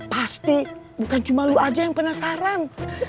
pasti bukan cuma lo aja yang penasaran